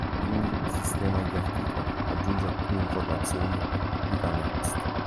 Quindi sistema gli articoli, aggiunge alcune informazioni e pubblica Next.